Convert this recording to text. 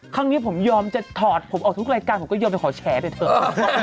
ครั้งนี้ผมยอมจะถอดผมออกทุกรายการผมก็ยอมไปขอแฉไปเถอะ